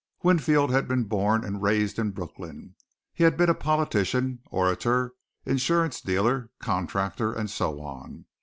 Winfield had been born and raised in Brooklyn. He had been a politician, orator, insurance dealer, contractor, and so on.